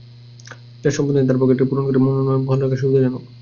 যাঁর সম্পদ নেই, তাঁর পক্ষে এটা পূরণ করে মনোনয়ন বহাল রাখা সুবিধাজনক।